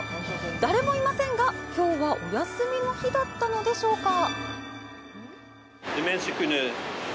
誰もいませんが、きょうはお休みの日だったのでしょうか？